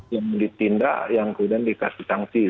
yang ditindak yang kemudian dikasih sanksi